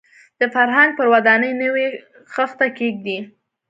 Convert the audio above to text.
د فرهنګ پر ودانۍ نوې خښته کېږدي.